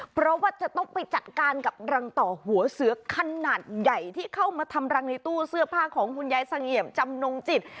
เพราะว่าจะต้องไปจัดการกับรังต่อหัวเสือขนาดใหญ่ที่เข้ามาทำรังในตู้เสื้อผ้าของคุณยายเสงี่ยมจำนงจิต